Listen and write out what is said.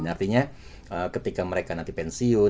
artinya ketika mereka nanti pensiun